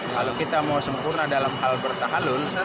kalau kita mau sempurna dalam hal bertahan